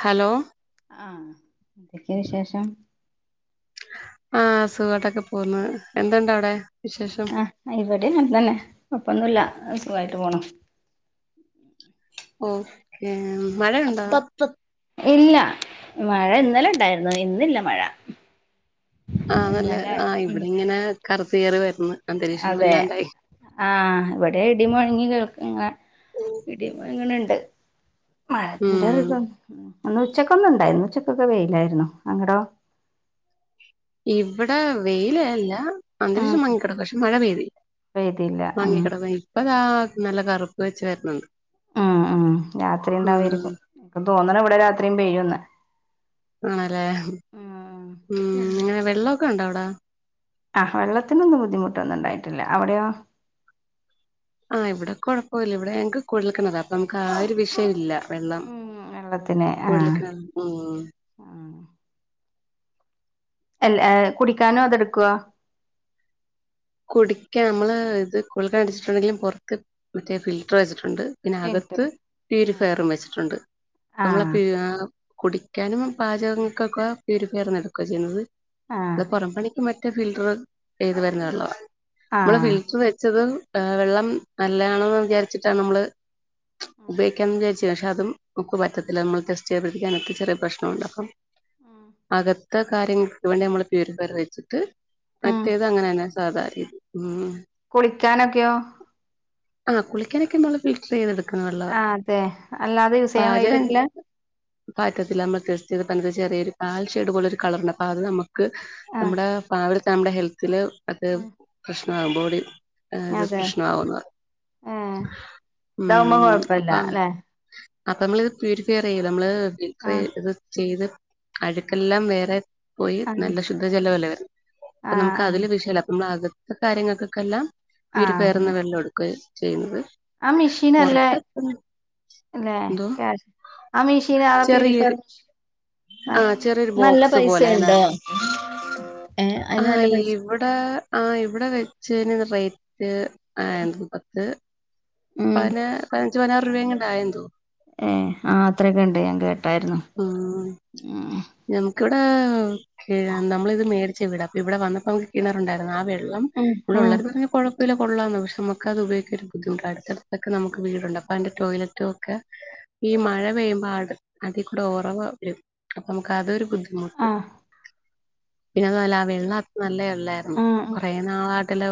Hello ആഹ് എന്തൊക്കെ വിശേഷം ആ സുഖയിട്ടൊക്കെ പോന്ന് എന്തുണ്ടവിടെ ആഹ് ഇവിടെം അങ്ങനെ കൊപ്പോന്നൂല്ല്യ ആഹ് സുഖായിട്ട് പോണു ഓ ഇഹ് മഴയുണ്ടോ ഇല്ല മഴ ഇന്നലെ ഇണ്ടായിരുന്നു ഇന്നില്ല മഴ ആ നല്ല ഇന്നലെ ആ ഉം ഇവിടെ ഇങ്ങനെ കറു കേറി വരുന്ന് അന്തരീക്ഷം അതെ വല്ലാണ്ടായി ആഹ് ഇവിടെ ഇടി മുഴങ്ങി കേൾ [unintelligible] ഇടി മൊഴങ്ങണോണ്ട് മഴത്തിന്റെ ഉം റിതൊണ്ട് ഉം ഇന്ന്‌ ഉച്ചക്കൊന്നും ഉണ്ടായിരുന്നു ഉച്ചക്കൊക്കെ വെയിലായിരുന്നു അങ്ങടോ ഇവിടെ വെയില അല്ല ഉം അന്തരീക്ഷം മങ്ങിക്കിടക്ക പക്ഷെ മഴ പെയ്തില്ല പെയ്തില്ല ഉം മങ്ങിക്കിടക്ക ഇപ്പതാ നല്ല കറു വച്ച് വര്ണൊന്ന് ഉം ഉം യാത്രി ഉണ്ടാവരിക്കും തോന്നണെ ഇവിടെ രാത്രിയും പെയ്യുന്ന് ആണെല്ലേ ഉംങ്ങ വെള്ളമൊക്കെ ഉണ്ടോ അവിടെ? ആഹ് വെള്ളത്തിനൊന്നും ബുദ്ധിമുട്ടൊന്നും ഉണ്ടായിട്ടില്ല അവടെയോ? ആഹ് ഇവിടെ കൊഴപ്പില്ല ഇവിടെ ഞങ്ങ്ക്ക് കുഴൽക്കിണറാ അപ്പൊ നമുക്ക് ആ ഒരു വിഷയില്ല വെള്ളം ഉം വെള്ളത്തിന് കുഴൽ ആഹ് കിണറ് ഉം ആഹ് അല്ല ഏഹ് കുടിക്കാനോ അതെടുക്കുവാ കുടിക്കാൻ നമ്മള് ഇത് കുടിക്കാൻ അടിച്ചിട്ടുണ്ടെങ്കിലും പൊറത്ത് മറ്റേ ഫിൽറ്ററ് വെച്ചിട്ടുണ്ട്. പിന്നെ ഫിൽറ്റർ അകത്ത് പ്യൂരിഫയറും വെച്ചിട്ടുണ്ട് നമ്മളെ ആഹ് [unintelligible] കുടിക്കാനും പാചകങ്ങക്കൊക്കെ പ്യൂരിഫയർന്ന് എടുക്കുവാ ചെയ്യുന്നത്. ആഹ് അഹ് പൊറമ്പണിക്ക് മ മറ്റ ഫിൽറ്ററ് ചെയ്ത് വരുന്ന വെള്ളവാ. നമ്മള് ആഹ് ഫിൽറ്ററ് വെച്ചത് ഏഹ് വെള്ളം നല്ലയാണെന്ന് വിചാരിച്ചിട്ടാ നമ്മള് ഉം ഉപയോഗിക്കാൻ [unintelligible] അത്യാവശ്യം അതും നമുക്ക് പറ്റത്തില്ല നമ്മള് ടെസ്റ്റ് ചെയ്ത് പിടിക്കാനൊക്കെ ചെറിയ പ്രശ്നുണ്ട് അപ്പം ഉം അക ഇത്ര കാര്യങ്ങൾക്ക് വേണ്ടി നമ്മള് പ്യൂരിഫയർ വെച്ചിട്ട് ഉം മറ്റേത് അങ്ങനേയന്നെ അതായി കുളിക്കാനൊക്കെയോ? ആ കുളിക്കാനൊക്കെ നമ്മള് ഫിൽറ്ററീന്ന് എടു ആ അതെ അല്ലാതെ യൂസ് ചെയ്യാൻ [unintelligible] പാചകം പറ്റില്ല? ച്ത്പ്പന്താച്ചാല് ചെറിയൊരു കാൽഷേഡ് പോലെ കളറ്ണ്ട് അപ്പ അത് നമ്മ ക്ക് ആഹ് നമ്മുടെ പാ നമ്മുടെ ഹെൽത്തില് അത് ഉം [unintelligible] ബോഡി ഏ അത് അതെ പ്രശ്നമാവുന്നു ഏഹ് ഇതാവുമ്പോ ഉം കൊഴപ്പല്ല അപ്പം അല്ലെ അപ്പൊ നമ്മള് ഇത് പ്യൂരിഫയർ ചെയ്യും നമ്മള് ഫില്ലട്ടർ ആഹ് ഇത് ചെയ്ത് അഴുക്കെല്ലാം വേറെ. പോയി ആഹ് നല്ല ശുദ്ധ ജലവല്ലേ അപ്പ നമുക്ക് ആഹ് അതില് വിഷയല്ലാ [unintelligible] കാര്യങ്ങൾക്കൊക്കെയെല്ലാം. ആഹ് പ്യൂരിഫയറെന്ന് വെള്ളം എടുകേ ചെയ്യുന്നത്. ആ മെഷീനല്ലേ പുറത്ത് അല്ലെ എന്തോ യാഷ ആ മെഷീൻ ആ പ്യൂരിഫയർ ചെറിയൊരു ആ ചെറിയൊരു നല്ല ബോക്സ് പൈസ പോലെ ഉണ്ടോ അതിനകത്ത് ഏഹ് അതിന് നല്ല പൈസ ആ ഇവിടെ വെച്ചന് റേറ്റ്. ആ [unintelligible] പത്ത്. ഉം പതിന പതിനഞ്ച് പതിനാറ് രൂപംഎങ്ങാണ്ട് ആയെന്ന് തോന്നുന്നു. ഏഹ് ആ അത്രയൊക്കെ ഉണ്ട് ഞാൻ കേട്ടായിരുന്നു. ഇവിടേ. നമ്മളിത് മേടി ച്ചിവിടെ അപ്പോ ഇവിടെ വന്നപ്പോ നമ്മക്ക് കിണറുണ്ടരുന്നു. ആഹ് വീ ള്ളം ഉം ഉം ഇവിടെള്ളൊരുപറഞ്ഞ് കൊഴ കൊള്ളാന്നാ പക്ഷെ നമുക്ക് അത് ഉപയോഗിക്കാ ഒരു ബുദ്ധിമുട്ടാണ് അടുത്തടുത്തൊക്കെ നമുക്ക് വീടുണ്ട് അപ്പോ അതിന്റെ ടോലറ്റും ഒക്കെ ഈ മഴ പെയ്യുമ്പോ അ അതി കൂടെ ഉറവ വരും അപ്പോ നമുക്ക് അതൊരു ബുദ്ധിമുട്ട്. ആഹ് പിന്നെഅതല്ല ആ വെള്ള അധികം നല്ലതാ തല്ലായിരുന്നു. ആഹ് കുറെ നാളായിട്ട് കലോ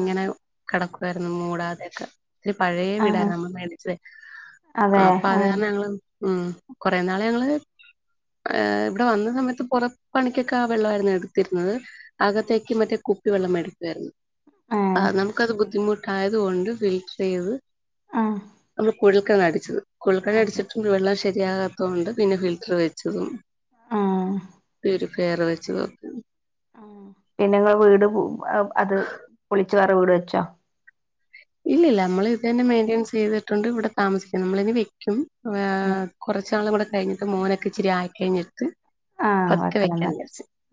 ആഹ് കിടക്കുവായിരുന്നു മൂടാതെയൊക്കെ. ഇത്തിരി പഴയ ആഹ് വീടായിരുന്നു നമ്മള്മേടിച്ചത് അതെ അപ്പൊ അത് ആഹ് കാരണം ഞങ്ങള് ഉം കുറെ നാള് ഞങ്ങള് ഏഹ് ഇവിടെ വന്ന സമയത്ത് പുറം പണിക്കൊക്കെ ആ വെള്ളായിരുന്നു എടുത്തിരുന്നത്. അകത്തേക്ക് മറ്റെ കു കുപ്പി വെള്ളം മേടിക്കുവായിരുന്നു. ഏഹ് ആഹ് നമുക്ക്ത് ബുദ്ധിമുട്ട് ആയത് കൊണ്ട് ഫിൽറ്റർ ചെയ്ത്. ആഹ് [unintelligible] കുഴ ഇക്കാന്ന് അടിച്ചത്. കുഴൽക്കിണർ അതെ അടിച്ചിട്ട് വെള്ളാവിശ ശരിയാകാത്തോണ്ട് പിന്നെ ഫിൽറ്റർ വെച്ചതും ആഹ് പ്യൂരിഫയർ വെച്ചത് മ് പിന്നെങ്ങ വീട് മ് അത് പൊളിക്ക ച്ച് വേറെ വീട് വെച്ചോ? ഇല്ലില്ല. നമ്മൾ ഇത് തന്നെ മെയിന്റനൻസ് ചെയ്തിട്ടുണ്ട്, ഇവിടെ താമസിക്കും നമ്മൾ ഇനി വെക്കും. ആ കുറച്ച് നാൾ ഇവിടെ കഴിഞ്ഞട്ട് മോനൊക്ക ഇച്ചരി ആയി കഴിഞ്ഞി ആഹ് പത്ത് വെക്കണംന്ന് വെക്കണ്ടേ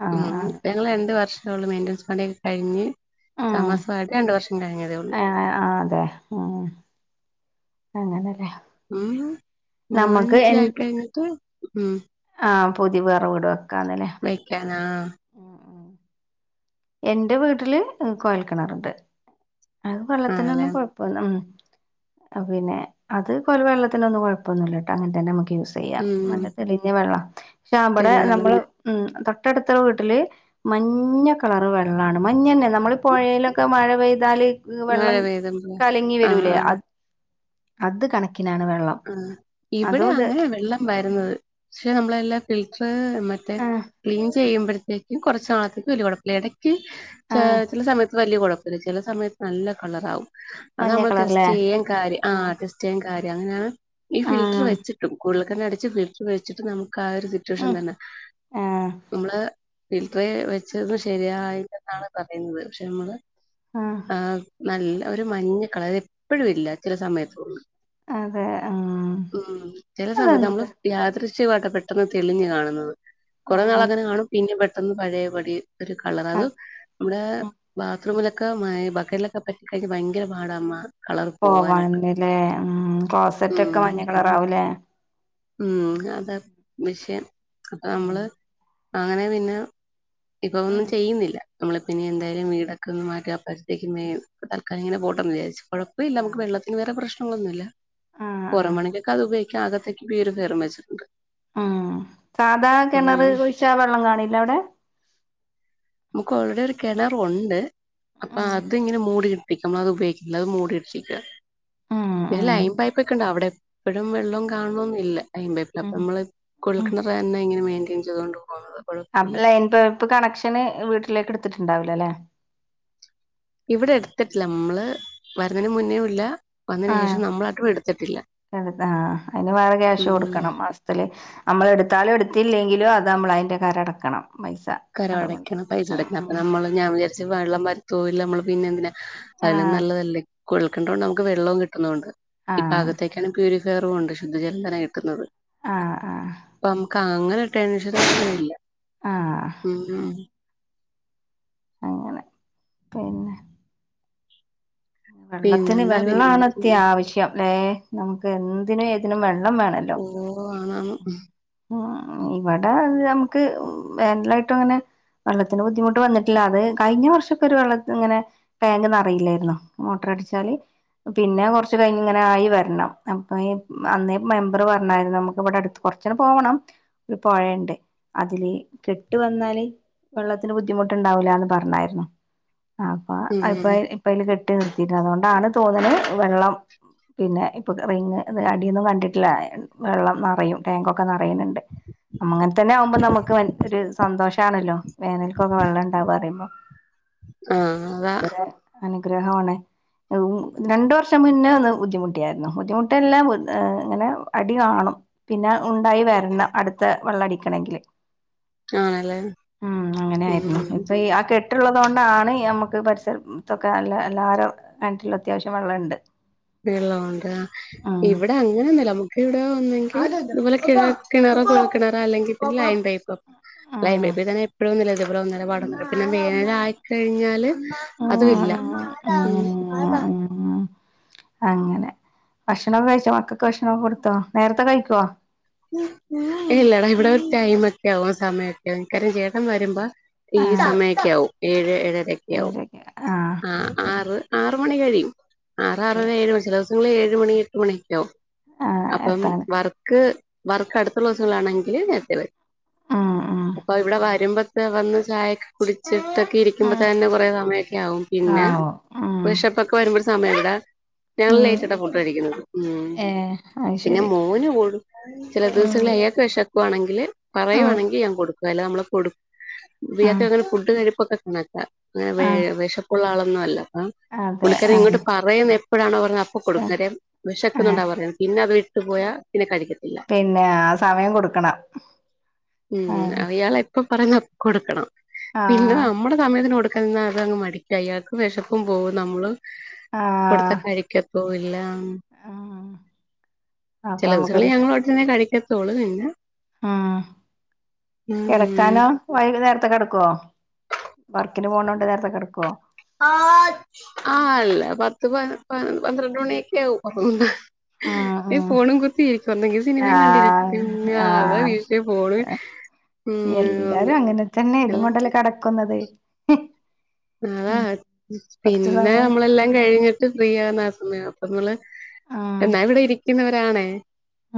ആഹ് മ് ആഹ് പ്പം ഞങൾ രണ്ട് വർഷം അത് കൊണ്ട് മെയിൻ്റെൻസ് പണി ഒക്കെ കഴിഞ് താമസമായിട്ട് രണ്ടു വർഷം കഴിഞ്ഞതേ ഉള്ളൂ. ആ അതെ മ് അങ്ങനല്ലേ. ഉം മോന് ച്ചിരി ആയി കയിഞ്ഞിട്ട് മ് ആ പുതി വേറെ വീട് വെ ക്കാന്ന്ല്ലേ. ആ എന്റെ വീട്ടില് കൊയൽക്കിണറ്ണ്ട്. അഹ് വള്ളത്തിനൊന്നും ആണല്ലേ? കൊഴപ്പല്ല. ഉം. പിന്നെ അത് കൊയൽ വെള്ളത്തിനൊന്നും കൊഴപ്പൊന്നുല്ല ട്ടോ അങ്ങനെ തന്നെ ക്ക് യൂസെയ്യ ഉം. നല്ല തെളിഞ്ഞ വെള്ള ക്ഷ ഇബടെ തെളിഞ്ഞോളും. നമ്മള് മ് തൊട്ടടുത്ത വീട്ടില് മഞ്ഞ കളറ് വെള്ളാണ് മഞ്ഞന്നെ നമ്മള് പൊയൊലൊക്കെ മഴ പെയ്താൽ മഴ വെള്ളം പെയ്തപ്പോ. കലങ്ങി വരൂലേ അ അത് കണ ആ ഇവിടെ അങ്ങനെ വെള്ളം വരുന്നത് ക്ഷെ നമ്മളെല്ലാം കിളി എ മറ്റേ ആഹ് ക്ലീൻ ചെ ചെയ്യുമ്പഴത്തേക്കും കുറച്ച് ആദ്യം [unintelligible] ക്ക് ചെ ആഹ് ചെല സമയത്ത് വലിയ കുഴ ചെല സമയത്ത് നല്ല കളറാവും അത് മഞ്ഞ നമ്മള് കളറല്ലേ ടെസ്റ്റേയിം കാര്യം ആ ആഹ് ടെസ്റ്റേയിം കാര്യം എങ്ങനെ ഈ ഫിൽട്ടർ ആഹ് വെച്ചിട്ടും കൂടു പക്കന അട ഫലി്സ് [unintelligible] വെച്ചിട്ട് നമക്ക് ആ ഒരു സിറ്റുവേഷൻ ഉം തന്നെ ആഹ് നമ്മള് ഫിൽറ്റർ വെച്ചത് ശരിയായില്ലെന്നാണ് പറയുന്നത് പക്ഷെ നമ്മള് ആഹ് നല്ല ഒരു മഞ്ഞ കളർ എപ്പോഴും ഇല്ല ചില സമയത്തൊന്ന് അതെ ഉം ഉ ചില സമയത്ത് നമ്മള് അതെന്ത് യാത്ര ക്ഷ്യമായിട്ടെ പെട്ടെന്ന് തെളിഞ്ഞ് കാണുന്നത്. കുറേ നാൾ ഏഹ് അങ്ങനെ കാണും പിന്നെ [unintelligible] ട്ടന്ന് പഴയപടി ഒരു കളർ അത് അഹ് നമ്മടെ ബ ത്ര മുലൊക്കെ മ ബക്കിലൊക്കെ പറ്റ കഴിഞ്ഞ ഭയങ്കര പാടാമ്മ കളർ പോവാനായിട്ട്. പോവാനല്ലേ ആ ക്ലോസറ്റ് റ്റൊക്ക ഉം മഞ്ഞ കളറാവില്ല ആ ഉം അതാ വിഷയ അപ്പൊ ഉം നമ്മള് അങ്ങനെ പിന്നെ ഇപ്പൊ ഉം ഒന്നും ചെയ്യുന്നില്ല നമ്മള് പിന്നെ എന്തായാലും വീടൊക്കെ ഒന്ന് മാറ്റാപ്പഴത്തെ മെ തൽക്കാലം ഇങ്ങനെ പോട്ടന്ന് വിചാരിച്ചു കുഴപ്പമില്ല ആഹ് നമക്ക് വെള്ളത്തിന് വരെ പ്രശ് അങ്ങൊന്നുമല്ല ആഹ് ആഹ് പരമണിക കത് ബ ആഗ വീര് നിർ വെച്ചിട്ടുണ്ട് ഉം സാധാ ഉം കിണറ് കുഴിച്ച വെള്ളം കാണല്ല അവിടെ നമുക്ക് ഓൾറെഡി ഒരു കിണറുണ്ട് അപ്പൊ ആഹ് അത് ഇങ്ങനെ മൂടി പിക്കുമ്പൾ അത് ഉപയോഗിക്ക അത് മൂടിട്ടരിക്ക ഉം പിന്നെ ഉം ലൈൻ പൈപ്പ ഒക്കെ ഉണ്ട അവിടെ എപ്പഴും വെള്ളം കാണന്നില്ല. അയപ്പ അപ്പൊ ഉം നമ്മള് ഉം കൊഴൽക്കെണറ് എങ്ങനെ [unintelligible] ഇൻച്ചതോണ്ടു അപ്പ ലൈൻ പപ് കണക്ഷൻ ന് വീട്ടിലേക്ക് ഇട്ത്തിട്ടുണ്ടാവൂല ലേ ഇവിടെ എടുത്തിട്ടില്ല ഇമ്മള് വരുന്നേന് മുന്നേയും ഇല്ല ആ വന്നതിന് ശേഷം നമ്മളായിട്ടും എടുത്തിട്ടില്ല എട്ത് ആ അയ്ന് വേറെ ക്യാഷ് ഉം കൊടുക്കണം മാസത്തില് നമ്മള് എടുത്താലും എടുത്തില്ലെങ്കി ലും അത് നമ്മള് അ യിന്റെ കരം അടക്കണം പൈസ അതുകൊണ്ട് കരവടയ്ക്കണം പൈസ എടക്കണം അപ്പ ഉം നമ്മള് ഞാൻ വിചാരിച്ചു വെള്ളം വരുത്തോ ഇല്ല നമ്മള് പിന്നെ എന്തിന അയ്ലും ആഹ് നല്ലതല്ലേ കൊഴൽക്കണർ കൊണ്ട് നമുക്ക്‌ വെള്ളോം കിട്ടുന്നുണ്ട് ഇപ്പ ആഹ് അഗത്തേക്കാണ് പ്യുരി വേറവുണ്ട് ശുദ്ധജലംധനം കിട്ടുന്നത് ആഹ് ആഹ് അങ്ങനൊര് ടെൻഷൻ ഒന്നുഇല്ല ആഹ് ഉം അങ്ങനെ പിന്നെ വെള്ളത്തിന് പിന്നെന്താ പിന്നെങ്ങനെ വെള്ളാണ് ചെയ്യണം. അത്യാവശ്യം ഏ നമുക്ക് എന്തിനും ഏതിനും വെ ള്ളം വേണല്ലോ ഓ ആണാണ് ഉം ഇവിടെ നമുക്ക് വേനലായിട്ടും അങ്ങനെ വെള്ളത്തിന് ബുദ്ധിമുട്ട് വന്നിട്ടില്ല അത് കഴിഞ്ഞ വർഷക്ക ഒരു വെള്ളത്തി ഇങ്ങനെ ടാങ്ക് നറയില്ലായിരുന്നു മോട്ടർ അടിച്ചാല് പിന്നെ കൊറച്ച് കഴിഞ്ഞ ഇങ്ങനെ ആയി വരണം അപ്പൊ അന്നേ മെമ്പറ് പറഞ്ഞായിരുന്നു നമുക്ക് ഇവിടെ അടുത്ത് കൊറച്ചന പോവണം ഒരു പൊയെണ്ട് അതില് കെട്ട് വന്നാല് വെള്ളത്തിന് ബുദ്ധിമുട്ടിണ്ടാവൂലാന്ന് പറഞ്ഞായിരുന്നു അപ്പ അയ്പ്പ ഉം ഇപ്പ അയ്ല് കെട്ട് അതുകൊണ്ടാണ് തോന്നണ് വെള്ളം പിന്നെ ഇപ്പൊ റിങ് അടിയൊന്നും കണ്ടിട്ടില്ല വെള്ളം നറയും ടാങ്കൊക്കെ നറയ്ണ് ണ്ട് അങ്ങനെ തന്നെ ആവുമ്പോ നമുക്ക് ഒരു സന്തോഷാണല്ലോ വേനൽക്കൊക്കെ വെള്ളം ഇണ്ടാവ പറയുമ്പോ ആഹ് അതാ ഗ്രഹം ആണ് രണ്ടു വർഷം മുന്നേ ഒന്ന് ബുദ്ധിമുട്ടിയായിരുന്നു ബുദ്ധിമുട്ടല്ല ഇങ്ങനെ അടി കാണും പിന്നെ ഉണ്ടായി വരണം അടുത്ത വെള്ളം അടിക്കണെങ്കില് ആണല്ലേ ഉം അങ്ങനെയായിരുന്നു ഉം ഇപ്പ ആ കെട് ട്ട്ള്ളതുകൊണ്ടാണ് നമുക്ക് പരിസരം തൊ ക്കെ നല്ല എല്ലാരും കെണറ്റില് അത്യാവശ്യം വെള്ളണ്ട് വെള്ളം ഒണ്ട് അ ഉം ഇവിടെ അങ്ങനെ ഒന്നുല്ലാ നമുക്കിവിടെ ഒന്നെങ്കി ഇതുപോലെ കിണ കിണറൊ കൊഴൽകിണറ അല്ലെങ്കി പിന്നെ ലൈൻ പൈപ്പ് ലൈൻ ഉം പൈപ്പി തന്നെ എപ്പോഴുംന്നില്ല ഇതുപോലെന്ന ഒന്നര പിന്നെ വേനലായിക്കഴിഞ്ഞാല് അതു ഇല്ല ആഹ് ആഹ് ആഹ് ആഹ് അങ്ങനെ ഭക്ഷണം ഒക്കെ കഴിച്ചോ മക്കക്ക് ഭക്ഷണം കൊടുത്തോ നേരത്തെ കഴിക്കോ ഇല്ലടാ ഇവിടൊരു ടൈമൊക്കെ ആവും സമയൊക്കെ ആകും മിക്കറും കാര്യം ചേട്ടൻ വരുമ്പോ ഈ ആഹ് സമയമൊക്കെ ആവും ഏഴ് ഏഴ ട്ടരക്ക്‌ ആവും ഏഴരക്ക് ആഹ് ആ പിന്നെ ആറ് ആറ് മണി കഴിയും അതെ ആറാറര ഏഴ് ചെലോ ങ്ങള് ഏഴ് മണി എട്ട് മണിക്കാവും ആഹ് അപ്പം എത്താണ് വർക്ക് വർക്ക് അടുത്തുള്ള ദിവസങ്ങളാണെങ്കില് നേരത്തെ വരും ഉം അപ്പൊ ഇവിടെ വരുമ്പോ വന്ന് ചായയൊക്കെ കുടിച്ചിട്ട് ക്കി ഇരിക്കുമ്പോ ഉം തന്നെ കുറേ സമയൊക്കെ ആകും പിന്നെ ആവോ ഉം വിശപ്പൊക്കെ വരുമ്പോരു സമയഇവ്ടെ ഞങ്ങള് ഉം ലേറ്റായിട്ടാ ഫുഡഴിക്കുന്നത് ഉം ഏഹ് അത് പിന്നെ ശരി മോന് കൊട് ചെല ഉം ദൂസങ്ങളിൽ [unintelligible] പോണെങ്കില്‌ ഉം പറയുവാണെങ്കി ഞാൻ കൊടുക്കും അല്ല നമ്മള് കൊടു ആഹ് ബേക്കറികളിൽ ഫുഡ് കഴിപ്പൊക്കെ ണക്ക വെ ആഹ് വെശപ്പുള്ള ആള ഒന്നു അല്ല ആ അതെ പുള്ളിക്കാരൻ ആഹ് ഇങ്ങോട്ട് പറയുന്ന എപ്പോഴാണോപറഞ്ഞ അപ്പൊ കൊടുക്കും കാര്യം ആഹ് വെശക്കുന്നുണ്ടാപറഞ്ഞ പിന്നെ അത് ട്ടു പോയാ പിന്നെ കഴിക്ക പിന്നെ ആ സമയം കൊടുക്കണം ആ ഉം അയാളെ എപ്പൊ പറയുന്ന അപ്പൊ കൊടുക്കണം പിന്നെ നമ്മുടെ സമയത്തിനോട് എന്നാ അത് അങ്ങ് മടിക്ക് അയാക്ക് വെശപ്പും പോവും നമ്മള് കൊടുത്താ കഴിക്ക പോവൂല്ല ആ ആ അപ്പൊ നമുക്കൊരു എ ഇത്രേം കഴിക്കത്തൊള്ളു പിന്നെ ആ ഉം കെടക്കാനാ വൈകുന്നേരത്തെ കെടക്കോ വർ ക്കിന് പോണോണ്ട് നേരത്തെ കെടക്കോ? ആ ആ അല്ല പത്ത് പ പ പന്ത്രണ്ട് മണിക്കെ ആവും അപ്പോ പിന്നെ ഈ ആ ഫോണും കുത്തിയിരിക്കും ഒന്നെങ്കി സിനിമേം കണ്ടിരിക്കും ഞാ ആ അതാ വിഷയം ഫോണു ഉം ഒന്ന് ഇല്ലേ ക്കുന്നത് ഉം അതാ കൊറച്ച് പിന്നെ സമയം നമ്മളെല്ലാം കഴിഞ്ഞിട്ട് ഫ്രീ ആവുന്ന ആ സമയം നമ്മള് ആ എന്നാ ഇവിടെ ഇരിക്കുന്നവരാണേ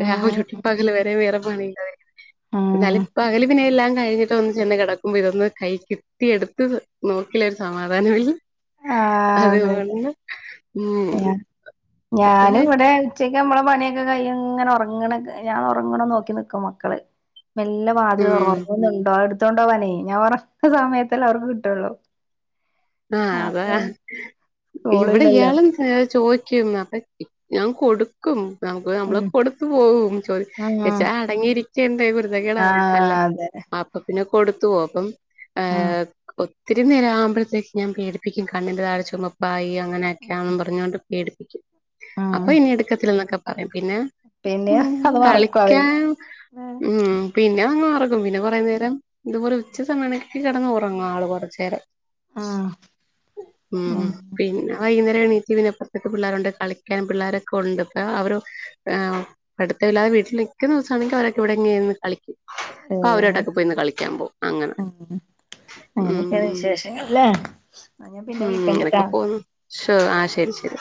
ആ രാവിലൊട്ട് പകല് വരെ വേറെ പണിണ്ടായിരുന്നു എന്നാലും ആ പകല് പിന്നെ എല്ലാം കഴിഞ്ഞിട്ടൊന്ന് ചെന്ന് കിടക്കുമ്പോൾ ഇതൊന്നു കയ്യിൽ കിട്ടി എടുത്തത് നോ ഇലെല്ല് ഒരു സമാധാനമില്ല ആ അതെതെ അതുകൊണ്ട് ഉം ഞാ ഞാനും ഇവിടെ ഉച്ചക്ക് അമ്മളെ പണിയൊക്കെ കഴിഞ്ഞ് ഇങ്ങനെ ഒറ ങ്ങ്ണ്ക്കെ ഞാൻ ഒറങ്ങണോം നോക്കി നിക്ക മക്കള് മെല്ലെ വാതിൽ തൊർന്നോക്കും ഉം ഒറങ്ങുന്നുണ്ടോ ത്തൊണ്ടോവാനെ ഞാൻ ഒറക്ക സമയത്തല്ലേ അവർക്ക് കിട്ടൊള്ളൂ ആഹ് അതാ ഇവിടെ സ്കൂളില്ലല്ലോ ഇയാളും കേ ചോയ്ക്കും അപ്പൊ ഞാൻ കൊടുക്കും നമുക്ക് നമ്മള് ഉം കൊടുത്തു പോവും ചോദ് ആ ച്ചാ അടങ്ങിയിരിക്കണ്ടേ ആ കുരുത്തക്കേടാവും നല്ല അതെ അപ്പ പിന്നെ കൊടുത്തു പോകും അപ്പം ആ ഒ ത്തിരി നേരം ആവുമ്പഴത്തേക്ക് ഞാൻ പേടിപ്പിക്കും കണ്ണിന്റെ താഴെ ചൊമപ്പായി അ അങ്ങനെയൊക്കെയാണെന്ന് പറഞ്ഞോണ്ട് പേടിപ്പിക്കും ആ അപ്പൊ ഇനി എടുക്കത്തില്ലന്നൊക്കെ പ പിന്നെ പിന്നെ മ് അത് മറക്കും അവര് കളിക്കൻ മ് പിന്നെ ഇങ്ങ് വ [unintelligible] പിന്നെ കൊറേ നേരം ഇതുപോലെ ഉച്ച സമയാണെങ്കി കെടന്ന് ഒറങ്ങും ആൾ കുറച്ച് നേരം ആഹ് മ് ഉം പിന്നെ വൈകുന്നേ പിന്നെ എണീറ്റ് പിന്നപ്പുറത്തൊക്കെ പിള്ളേരുണ്ട് കളിക്കാനും പിള്ളാരൊക്കെ ഒണ്ട് ഇപ്പ അവര് പടുത്തമില്ലാതെ വീട്ടില് നിൽക്കുന്ന ദിവസം ആണെങ്കിൽ അവരൊക്കെ ഇവിടെങ്ങെനെന്ന് കളിക്കും ഏ ക്കാ അവരായിട്ടൊക്കെ പോയിന്ന് കളിക്കാൻ പോ അങ്ങനെ അങ്ങനെയൊക്കെയാണ് മ് [unintelligible] ഞാൻ പിന്നെ വിളിക്കണ്ട്ട്ടാ പോന്നു ശോ ആഹ് ശരി ശരി